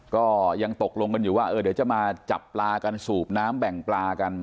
ก็ยังตกลงกันอยู่ว่าเดี๋ยวจะมาจับปลากันสูบน้ำแบ่งปลากัน